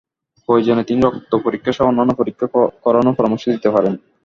প্রয়োজনে তিনি রক্ত পরীক্ষাসহ অন্যান্য পরীক্ষা করানোর পরামর্শ দিতে পারেন।